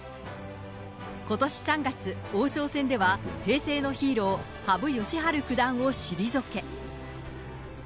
ことし３月、王将戦では、平成のヒーロー、羽生善治九段を退け。